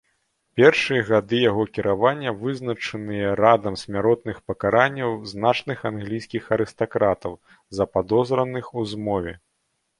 Першыя гады яго кіравання вызначаныя радам смяротных пакаранняў значных англійскіх арыстакратаў, западозраных у змове.